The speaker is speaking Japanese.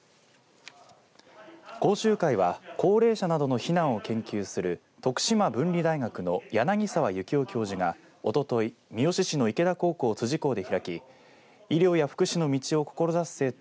講習会は高齢者などの避難を研究する徳島文理大学の柳澤幸夫教授がおととい、三好市の池田高校辻校で開き医療や福祉の道を志す生徒